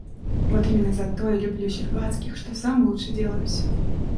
Вот именно за то я люблю Щербацких, что сам лучше делаюсь.